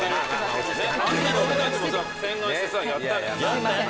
話あんなに俺たちもさ洗顔してさやったのにすいません